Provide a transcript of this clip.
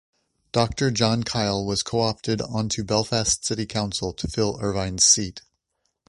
Doctor John Kyle was co-opted on to Belfast City Council to fill Ervine's seat.